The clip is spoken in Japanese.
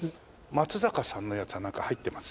松坂さんのやつはなんか入ってます？